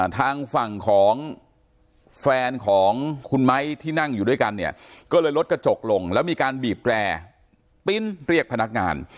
ทางฝั่งของแฟนของคุณไม้ที่นั่งอยู่ด้วยกันเนี่ยก็เลยลดกระจกลงแล้วมีการบีบแร่ปิ๊นเรียกพนักงาน